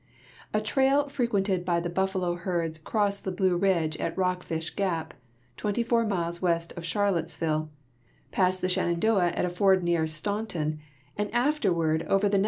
A trail frequented by the buffalo herds crossed the Blue Ridge at Rock fish gap, twenty four miles west of Charlottesville, passed the Shenandoah at a ford near Staunton, and afterward over the ne.